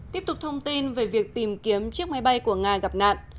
tiếp tục thông tin về việc tìm kiếm chiếc máy bay của nga gặp nạn